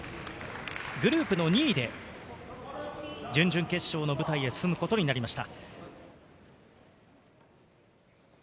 グループの２位で準々決勝の舞台に進むことになりました。